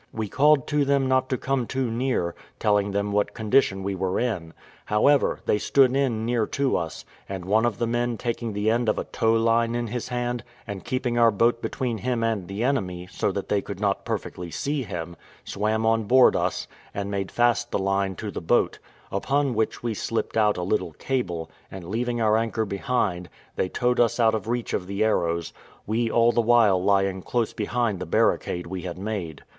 We called to them not to come too near, telling them what condition we were in; however, they stood in near to us, and one of the men taking the end of a tow line in his hand, and keeping our boat between him and the enemy, so that they could not perfectly see him, swam on board us, and made fast the line to the boat: upon which we slipped out a little cable, and leaving our anchor behind, they towed us out of reach of the arrows; we all the while lying close behind the barricade we had made.